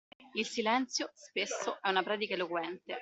Il silenzio, spesso, è una predica eloquente.